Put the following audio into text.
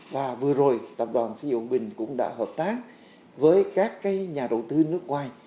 và vừa rồi tập đoàn xây dựng bình cũng đã hợp tác với các nhà đầu tư nước ngoài